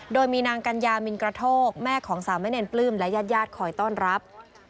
โดยมีนางกัญญามินกระโทกแม่ของสามเณรปลื้มและญาติญาติคอยต้อนรับ